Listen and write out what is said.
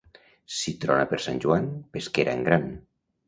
Si trona per Sant Joan, pesquera en gran.